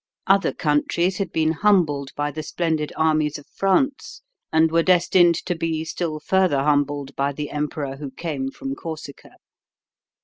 Other countries had been humbled by the splendid armies of France and were destined to be still further humbled by the emperor who came from Corsica.